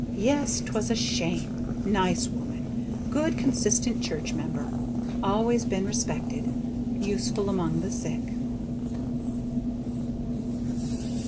Yes, 'twas a shame, nice woman; good consistent church member; always been respected; useful among the sick."